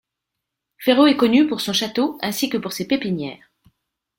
Ferot est connu pour son château ainsi que pour ses pépinières.